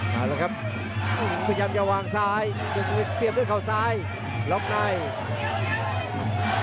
สะยามจะวางซ้ายเสียบด้วยเขาซ้ายล็อคไนด์